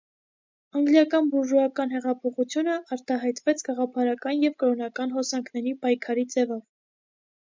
Անգլիական բուրժուական հեղափոխությունը արտահայտվեց գաղափարական և կրոնական հոսանքների պայքարի ձևով։